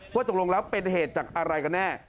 ตกลงแล้วเป็นเหตุจากอะไรกันแน่